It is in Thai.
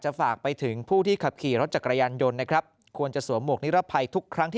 จะฝากไปถึงผู้ที่ขับขี่รถจักรยันยนต์ควรเศียบอบนี้รับภัยทุกครั้ง